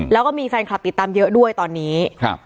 แล้วก็มีแฟนคลับติดตามเยอะด้วยตอนนี้ครับ